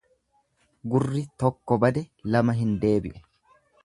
Gurri tokko bade lama hin deebi'u.